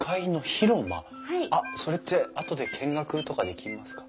それってあとで見学とかできますか？